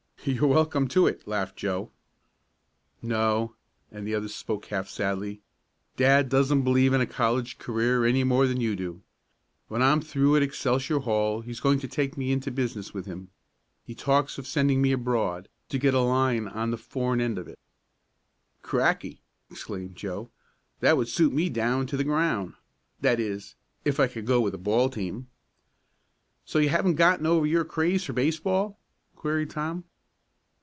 "You're welcome to it," laughed Joe. "No," and the other spoke half sadly. "Dad doesn't believe in a college career any more than you do. When I'm through at Excelsior Hall he's going to take me into business with him. He talks of sending me abroad, to get a line on the foreign end of it." "Cracky!" exclaimed Joe. "That would suit me down to the ground that is if I could go with a ball team." "So you haven't gotten over your craze for baseball?" queried Tom.